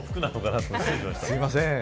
すみません。